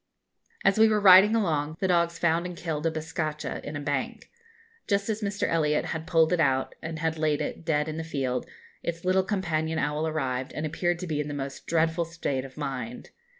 As we were riding along, the dogs found and killed a bizcacha, in a bank. Just as Mr. Elliott had pulled it out, and had laid it, dead, in the field, its little companion owl arrived, and appeared to be in the most dreadful state of mind.